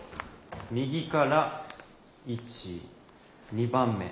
右から１２番目。